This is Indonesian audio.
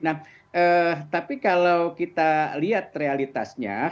nah tapi kalau kita lihat realitasnya